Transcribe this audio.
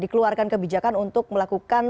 dikeluarkan kebijakan untuk melakukan